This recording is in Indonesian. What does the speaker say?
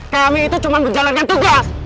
kami itu cuma menjalankan tugas